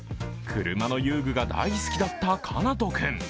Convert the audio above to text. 車の遊具が大好きだったかなと君。